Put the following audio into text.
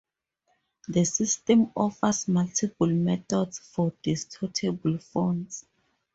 The system offers multiple methods for distortable fonts.